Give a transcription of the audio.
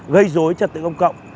gây dối cho tự công cộng